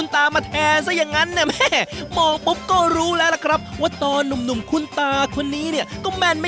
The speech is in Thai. ตามาแทนเด็กไปนั่ง